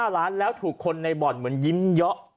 ๕ล้านแล้วถูกคนในบ่อนเหมือนยิ้มเยอะ